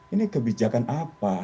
ini kebijakan apa